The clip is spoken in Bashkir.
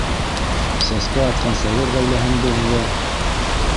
Сәскә атҡан совет ғаиләһен боҙҙо?